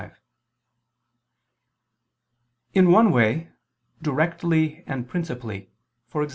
5), in one way, directly and principally, e.g.